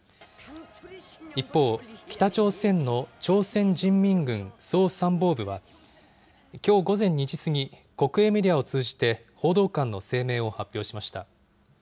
一方、北朝鮮の朝鮮人民軍総参謀部は、きょう午前２時過ぎ、国営メディアを通じて報道官の声明を発表しました。